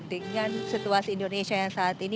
dengan situasi indonesia yang saat ini